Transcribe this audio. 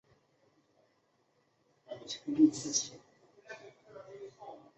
涅雷大道车站列车服务。